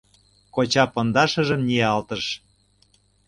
— Коча пондашыжым ниялтыш.